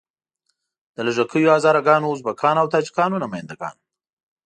د لږه کیو هزاره ګانو، ازبکانو او تاجیکانو نماینده ګان.